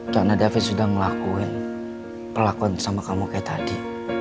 karena davin sudah melakuin pelakuan sama kamu kayak tadi